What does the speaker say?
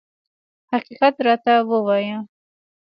حقیقت راته ووایه.